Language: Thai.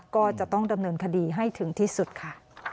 ก็จะต้องดำเนินคดีให้ถึงที่สุดค่ะ